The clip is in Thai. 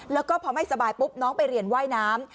แล้วก็พอไม่สบายปุ๊บน้องไปเรียนว่ายน้ำ